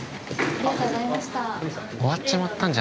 ありがとうございます。